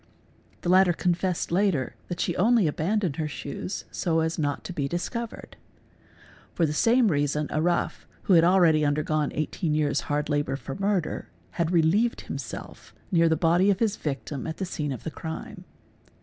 ' The latter confessed later that she had only abandoned her shoes so as not to be discovered. For the same reason a rough (who had already undergone 18 years hard labour for murder) had relieved himself near _ the body of his victim at the scene of the crime.